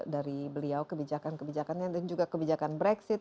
dari beliau kebijakan kebijakannya dan juga kebijakan brexit